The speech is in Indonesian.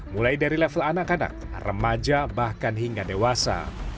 mulai dari level anak anak remaja bahkan hingga dewasa